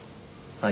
はい。